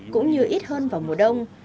cũng như ít hơn vào mùa đông